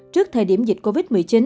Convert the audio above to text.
trước thời điểm dịch covid một mươi chín